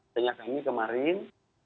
sehingga kami kemarin